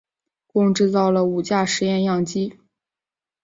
共制造了五架试验样机。